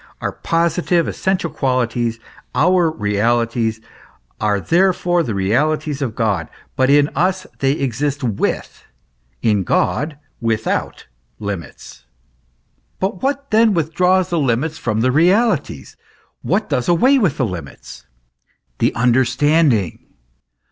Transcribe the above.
"* Our positive, essential qualities, our realities, are therefore the realities of God, but in us they exist with, in God without, limits. But what then withdraws the limits from the realities, what does away with the limits ? The understanding.